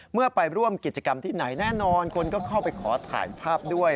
ไปร่วมกิจกรรมที่ไหนแน่นอนคนก็เข้าไปขอถ่ายภาพด้วย